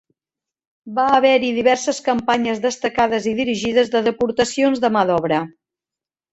Va haver-hi diverses campanyes destacades i dirigides de deportacions de mà d'obra.